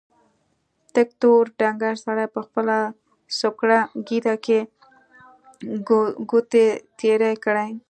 تک تور ډنګر سړي په خپله څوکړه ږيره کې ګوتې تېرې کړې.